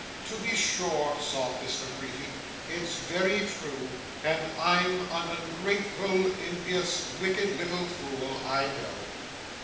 'To be sure,' sobbed Miss La Creevy; 'it's very true, and I'm an ungrateful, impious, wicked little fool, I know.